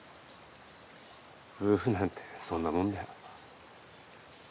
夫婦なんてそんなもんだよ。